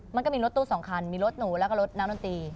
มันก็มีรถตัวสองคันมีรถหนูแล้วก็รถนักหนุนตรี